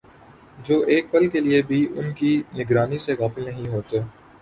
جو ایک پل کے لیے بھی ان کی نگرانی سے غافل نہیں ہوتے